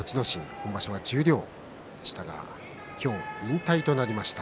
今場所は十両でしたが今日、引退となりました。